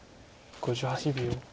５８秒。